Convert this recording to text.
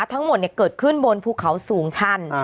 ทั้งหมดเกิดขึ้นบนภูเขาสูงชัน